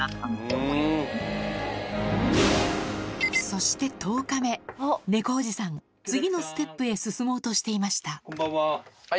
そして１０日目ネコおじさん次のステップへ進もうとしていましたこんばんは。